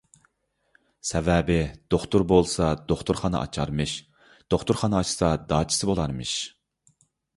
سەۋەبى، دوختۇر بولسا دوختۇرخانا ئاچارمىش، دوختۇرخانا ئاچسا داچىسى بولارمىش.